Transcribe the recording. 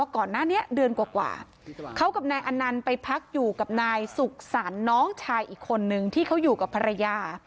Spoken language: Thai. เขากับนายอันนันไปพักอยู่กับนายสุขสานน้องชายอีกคนนึงที่เขาอยู่กับภรรยา